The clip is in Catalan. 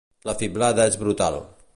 La fiblada és brutal.